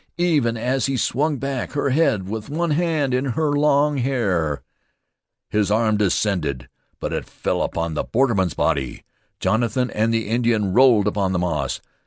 Even as he swung back her head with one hand in her long hair, his arm descended; but it fell upon the borderman's body. Jonathan and the Indian rolled upon the moss.